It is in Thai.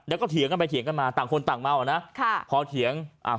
แล้วก็เถียงกันไปเถียงกันมาต่างคนต่างเมาอ่ะนะค่ะพอเถียงอ่า